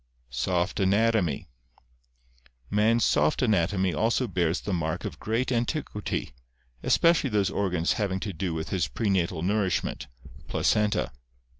Soft Anatomy. — Man's soft anatomy also bears the mark of great antiquity, especially those organs having to do with his pre natal nourishment (placenta).